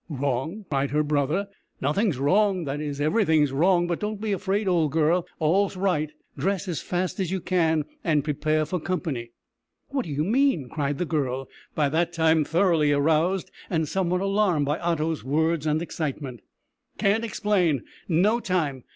"Wrong?" cried her brother, "nothing's wrong that is, everything's wrong; but don't be afraid, old girl, all's right. Dress as fast as you can, and prepare for company!" "What do you mean?" cried the girl, by that time thoroughly aroused, and somewhat alarmed by Otto's words and excitement. "Can't explain. No time.